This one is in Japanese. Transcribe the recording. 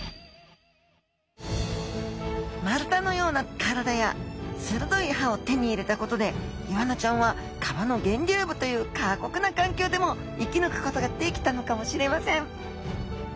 丸太のような体やするどい歯を手に入れたことでイワナちゃんは川の源流部という過酷な環境でも生きぬくことができたのかもしれません。